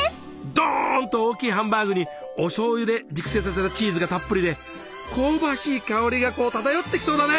どんと大きいハンバーグにおしょうゆで熟成させたチーズがたっぷりで香ばしい香りがこう漂ってきそうだね。